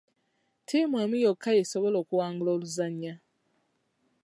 Ttiimu emu yokka yesobola okuwangula oluzannya.